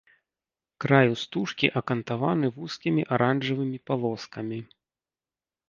Краю стужкі акантаваны вузкімі аранжавымі палоскамі.